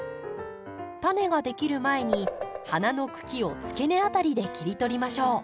タネができる前に花の茎をつけ根辺りで切り取りましょう。